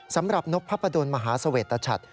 สำหรับกพพะดนตร์มหาเสวตชัตต์